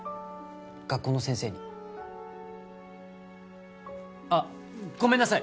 学校の先生にあっごめんなさい